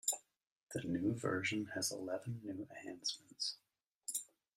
The new version has eleven new enhancements.